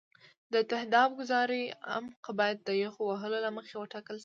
د تهداب ګذارۍ عمق باید د یخ وهلو له مخې وټاکل شي